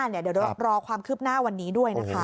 เดี๋ยวรอความคืบหน้าวันนี้ด้วยนะคะ